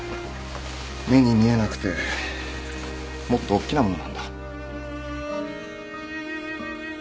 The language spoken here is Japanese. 目に見えなくてもっとおっきなものなんだ。